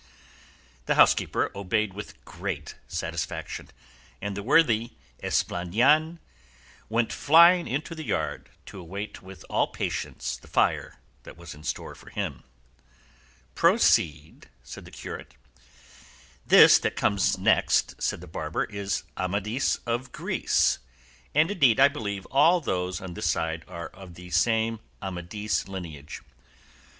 The housekeeper obeyed with great satisfaction, and the worthy "Esplandian" went flying into the yard to await with all patience the fire that was in store for him. "Proceed," said the curate. "This that comes next," said the barber, "is 'Amadis of Greece,' and, indeed, I believe all those on this side are of the same Amadis lineage."